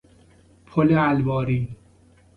پل الواری